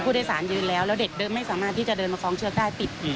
คุณดิรับสารยืนแล้วเด็กเดิมไม่สามารถที่จะเดินมาคล้องเชือกได้